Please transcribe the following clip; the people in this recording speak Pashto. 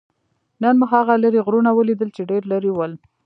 نن مو هغه لرې غرونه ولیدل؟ چې ډېر لرې ول.